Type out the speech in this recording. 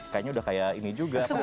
kayaknya udah kayak ini juga